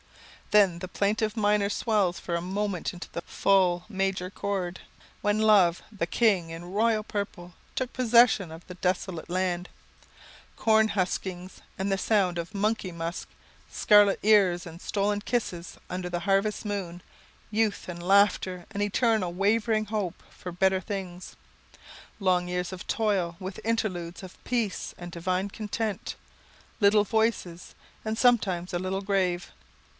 Then the plaintive minor swells for a moment into the full major chord, when Love, the King, in royal purple, took possession of the desolate land. Corn huskings and the sound of "Money Musk," scarlet ears and stolen kisses under the harvest moon, youth and laughter, and the eternal, wavering hope for better things. Long years of toil, with interludes of peace and divine content, little voices, and sometimes a little grave.